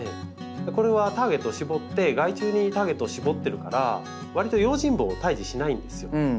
これはターゲットを絞って害虫にターゲットを絞ってるからわりと用心棒を退治しないんですよ。